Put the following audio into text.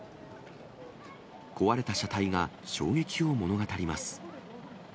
壊れた車体が衝撃を物語ります。